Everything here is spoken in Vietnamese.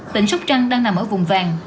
tỉnh sóc trăng đang nằm ở vùng vàng